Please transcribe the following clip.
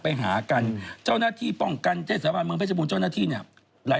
ไปหากันเจ้านาทีป้องกันเจษฐภาคเมืองพระเจมส์ปูนเจ้านาที่เนี่ย